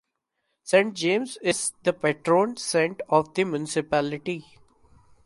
Saint James is the patron saint of the municipality.